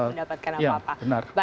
kita tidak mendapatkan apa apa